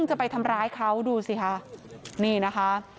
จะไปทำร้ายเขา